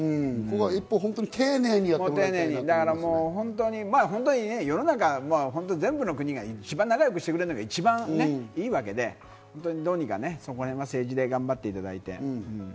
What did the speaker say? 一方、丁寧にやってもらいた世の中、全部の国が一番仲良くしてくれるのが一番いいわけで、どうにかそこらへんは政治で頑張っていただいて。